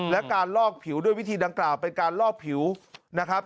และการลอกผิวด้วยวิธีดังกล่าวเป็นการลอกผิวนะครับ